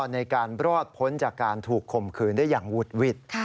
ในการรอดพ้นจากการถูกข่มขืนได้อย่างวุดหวิด